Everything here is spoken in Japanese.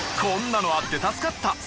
こんなのあって助かった！